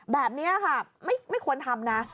แบบนี้ค่ะไม่ควรทำนะ